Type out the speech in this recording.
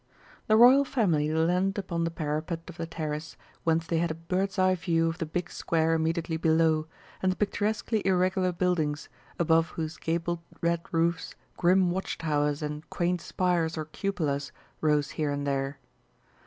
The Royal Family leaned upon the parapet of the terrace, whence they had a bird's eye view of the big square immediately below, and the picturesquely irregular buildings, above whose gabled red roofs grim watch towers and quaint spires or cupolas rose here and there.